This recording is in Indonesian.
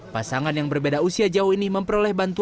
pasangan yang berbeda usia jauh ini memperoleh bantuan